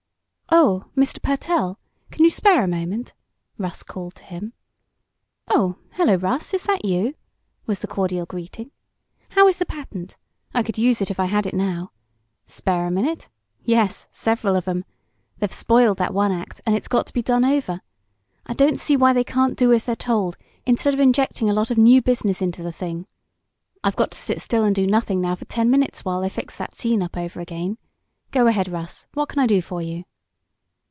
"Oh, Mr. Pertell, can you spare a moment?" Russ called to him. "Oh, hello, Russ; is that you?" was the cordial greeting. "How is the patent? I could use it if I had it now. Spare a minute? Yes, several of 'em. They've spoiled that one act and it's got to be done over. I don't see why they can't do as they're told instead of injecting a lot of new business into the thing! I've got to sit still and do nothing now for ten minutes while they fix that scene up over again. Go ahead, Russ what can I do for you?"